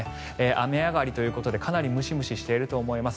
雨上がりということで、かなりムシムシしていると思います。